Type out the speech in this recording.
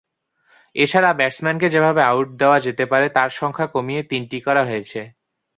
এ ছাড়া ব্যাটসম্যানকে যেভাবে আউট দেওয়া যেতে পারে তার সংখ্যা কমিয়ে তিনটি করা হয়েছে।